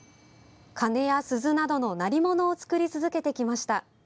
鐘や鈴などの鳴り物を作り続けてきました。